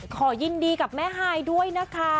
ขอยินดีกับแม่ฮายด้วยนะคะ